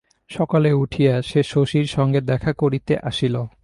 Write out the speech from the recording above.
সকালে উঠিয়া সে শশীর সঙ্গে দেখা করিতে আসিল।